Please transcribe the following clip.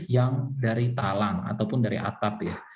yang dari talang ataupun dari atap ya